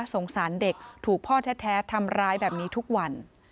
สงสารเด็กถูกพ่อแท้ทำร้ายแบบนี้ทุกวัน